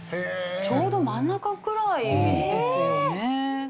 ちょうど真ん中くらいですよね。